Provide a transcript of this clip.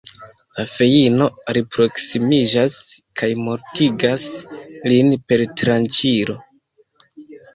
La feino alproksimiĝas, kaj mortigas lin per tranĉilo.